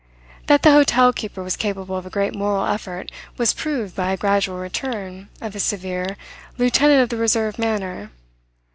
That the hotel keeper was capable of a great moral effort was proved by a gradual return of his severe, Lieutenant of the Reserve manner.